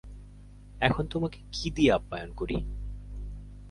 এখন তোমাকে কী দিয়ে আপ্যায়ন করি!